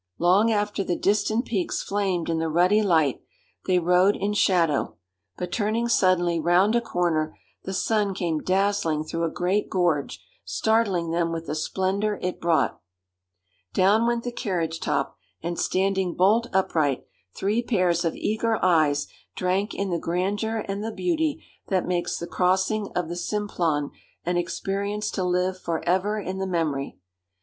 Long after the distant peaks flamed in the ruddy light, they rode in shadow; but turning suddenly round a corner, the sun came dazzling through a great gorge, startling them with the splendour it brought. Down went the carriage top, and standing bolt upright, three pairs of eager eyes drank in the grandeur and the beauty that makes the crossing of the Simplon an experience to live for ever in the memory.